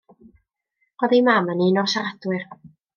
Roedd ei mam yn un o'r siaradwyr.